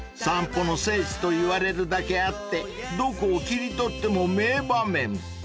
［散歩の聖地といわれるだけあってどこを切り取っても名場面］